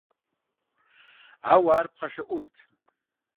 Ауэ ар пхъашэ Ӏувт.